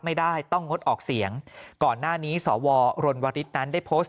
ไม่ได้ต้องงดออกเสียงก่อนหน้านี้สวรรณวริสนั้นได้โพสต์